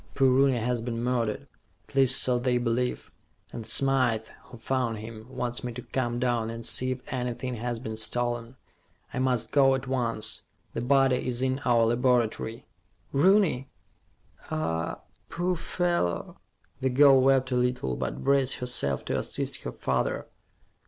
Poor Rooney has been murdered at least so they believe and Smythe, who found him, wants me to come down and see if anything has been stolen. I must go at once. The body is in our laboratory." "Rooney? Ah, poor fellow." The girl wept a little, but braced herself to assist her father.